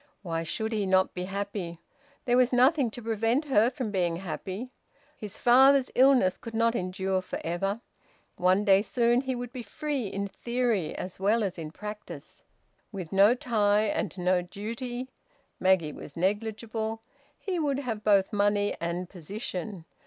Why should he not be happy? There was nothing to prevent her from being happy. His father's illness could not endure for ever. One day soon he would be free in theory as well as in practice. With no tie and no duty (Maggie was negligible) he would have both money and position.